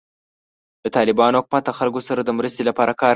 د طالبانو حکومت د خلکو سره د مرستې لپاره کار کوي.